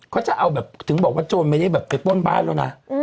เขาจะเอาแบบถึงบอกว่าโจรไม่ได้แบบไปป้นบ้านแล้วนะ